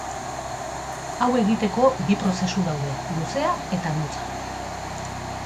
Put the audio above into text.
Hau egiteko bi prozesu daude, luzea eta motza.